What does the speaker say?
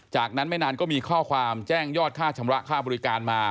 จากนั้นไม่นานก็มีข้อความแจ้งยอดค่าชำระค่าบริการมา